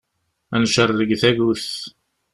Ad ncerreg tagut.